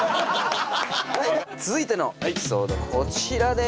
続いてのエピソードこちらです！